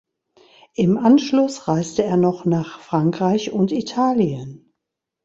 Im Anschluss reiste er noch nach Frankreich und Italien.